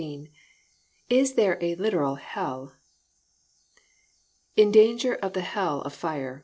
Hallelujah! XIV IS THERE A LITERAL HELL? "In danger of the hell of fire."